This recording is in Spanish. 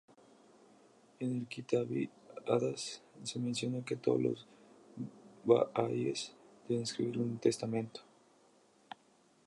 En el Kitáb-i-Aqdas se menciona que todos los bahaíes deben escribir un testamento.